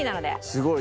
すごい。